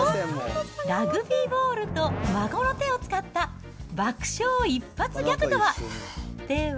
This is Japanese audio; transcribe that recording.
ラグビーボールと孫の手を使った爆笑一発ギャグとは？